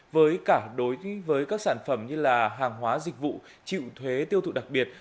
với cảng đối với các sản phẩm như là hàng hóa dịch vụ chịu thuế tiêu thụ đặc biệt